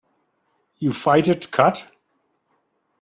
You fight it cut.